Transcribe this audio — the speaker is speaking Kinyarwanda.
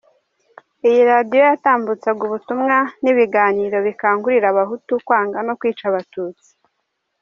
Iyi radiyo yatambutsaga ubutumwa n’ibiganiro bikangurira Abahutu kwanga no kwica Abatutsi.